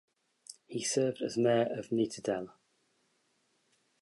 He served as mayor of Nittedal.